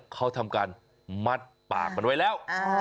เขาทำการมัดปากมันไว้แล้ว